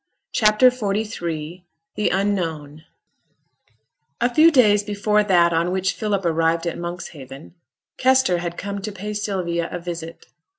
CHAPTER XLIII THE UNKNOWN A few days before that on which Philip arrived at Monkshaven, Kester had come to pay Sylvia a visit.